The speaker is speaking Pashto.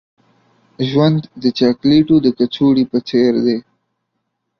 ژوند د چاکلیټو د کڅوړې په څیر دی.